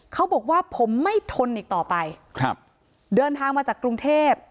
เขาบอกว่าผมไม่ทนอีกต่อไปครับเดินทางมาจากกรุงเทพ